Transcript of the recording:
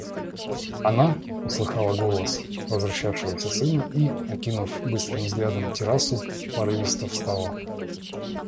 Она услыхала голос возвращавшегося сына и, окинув быстрым взглядом террасу, порывисто встала.